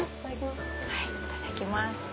いただきます。